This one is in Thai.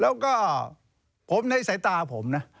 แล้วก็ผมในสายตาผมนะ